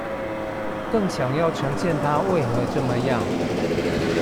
更想要呈現他為何這麼樣